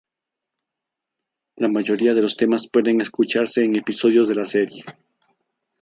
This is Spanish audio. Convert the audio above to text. La mayoría de los temas pueden escucharse en episodios de la serie.